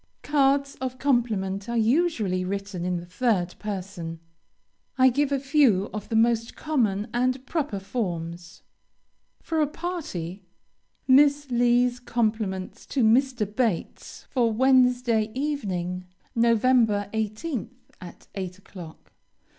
Cards of compliment are usually written in the third person. I give a few of the most common and proper forms. For a party: Miss Lee's compliments to Mr. Bates, for Wednesday evening, Nov. 18th, at 8 o'clock.